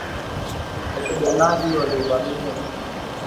Wapiganaji walivamia kijiji